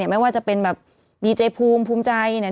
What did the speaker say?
ไม่ว่าจะเป็นแบบดีเจภูมิภูมิใจเนี่ย